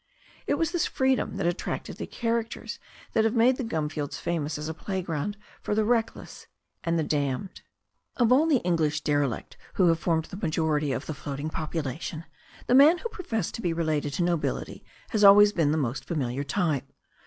It was this freedom that attracted the charac ters that have made the gum fields famous as a playground for the reckless and the damned. Of all the English derelicts who have formed the major ity of the floating population, the man who professed to be related to nobility has always been the most familiar type.